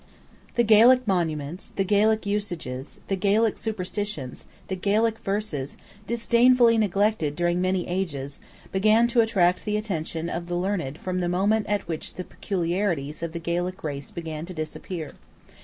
The Gaelic monuments, the Gaelic usages, the Gaelic superstitions, the Gaelic verses, disdainfully neglected during many ages, began to attract the attention of the learned from the moment at which the peculiarities of the Gaelic race began to disappear.